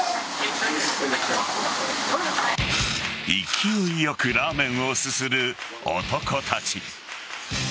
勢いよくラーメンをすする男たち。